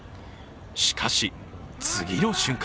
しかし、次の瞬間。